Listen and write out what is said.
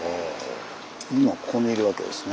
今ここにいるわけですね。